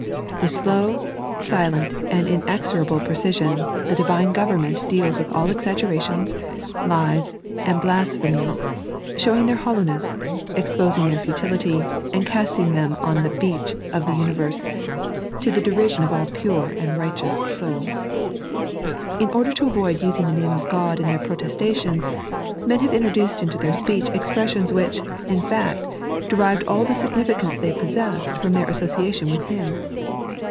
With slow, silent, and inexorable precision, the Divine Government deals with all exaggerations, lies, and blasphemies, showing their hollowness, exposing their futility, and casting them up on the beach of the universe, to the derision of all pure and righteous souls. In order to avoid using the Name of God in their protestations, men have introduced into their speech expressions which, in fact, derived all the significance they possessed from their association with Him.